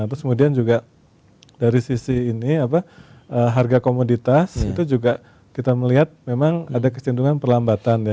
terus kemudian juga dari sisi ini harga komoditas itu juga kita melihat memang ada kecenderungan perlambatan ya